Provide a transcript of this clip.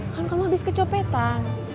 kan kamu habis kecopetan